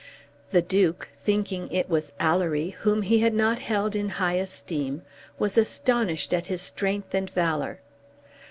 The Duke, thinking it was Alory, whom he had not held in high esteem, was astonished at his strength and valor.